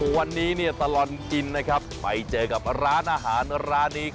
วันนี้ตลอดกินนะครับไปเจอกับร้านอาหารร้านนี้